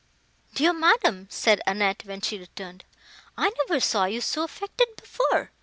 "Dear madam," said Annette, when she returned, "I never saw you so affected before!